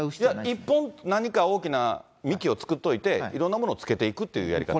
一本何か大きな幹を作っておいて、いろんなものをつけていくというやり方。